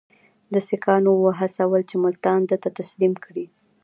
ده سیکهان وهڅول چې ملتان ده ته تسلیم کړي.